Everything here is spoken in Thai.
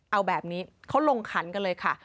เอาแบบนี้เขาลงขันกันเลยค่ะ